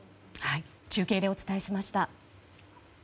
中継でお伝えしました。